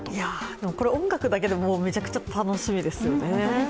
これ音楽だけで、めちゃくちゃ楽しみですよね。